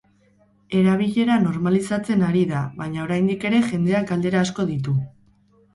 Erabilera normalizatzen ari da, baina, oraindik ere jendeak galdera asko ditu.